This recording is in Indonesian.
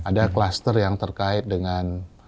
ada kluster yang terkait dengan